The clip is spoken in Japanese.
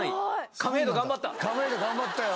亀戸頑張ったよ。